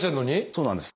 そうなんです。